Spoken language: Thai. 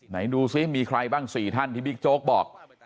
ไหนดูซิมีใครบ้าง๔ท่านที่บิ๊กโจ๊กบอก